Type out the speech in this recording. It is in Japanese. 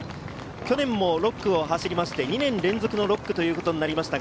去年も６区を走りまして２年連続６区ということになりました。